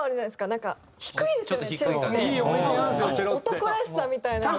男らしさみたいなのが。